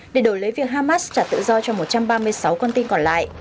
để đổi lấy việc hamas trả tự do cho một trăm ba mươi sáu con tin còn lại